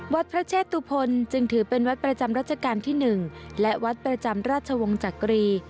วัดพระเชตุพลจึงถือเป็นวัดประจำรัชกาลที่๑และวัดประจำราชวงศ์จักรี